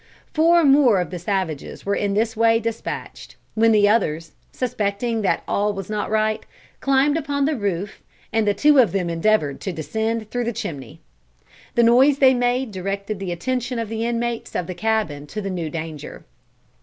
Four more of the savages were in this way despatched, when the others, suspecting that all was not right, climbed upon the roof and two of them endeavored to descend through the chimney. The noise they made directed the attention of the inmates of the cabin to the new danger.